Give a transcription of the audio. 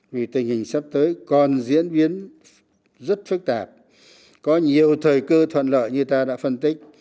vì tình hình sắp tới còn diễn biến rất phức tạp có nhiều thời cơ thuận lợi như ta đã phân tích